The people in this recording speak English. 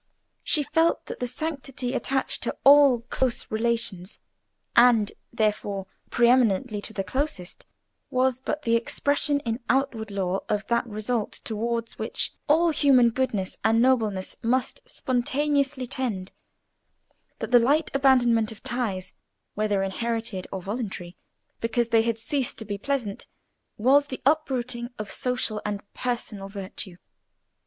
She felt that the sanctity attached to all close relations, and, therefore, pre eminently to the closest, was but the expression in outward law of that result towards which all human goodness and nobleness must spontaneously tend; that the light abandonment of ties, whether inherited or voluntary, because they had ceased to be pleasant, was the uprooting of social and personal virtue.